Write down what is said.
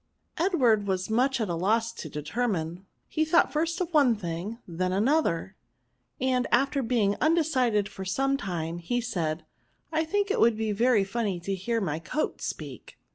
Edward was much at a loss to determine, he thought first of one thing, then of an other ; and after being undecided for some time, he said, " I think it would be very funny to hear my coat speak."